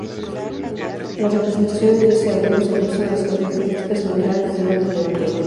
Las representaciones de este abrigo se ajustan a las características generales del Arte Levantino.